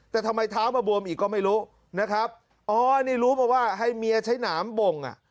แต่ทำไมเท้ามาบวมอีกก็ไม่รู้นะครับอ๋อนี่รู้มาว่าให้เมียใช้หนามบ่งอ่ะ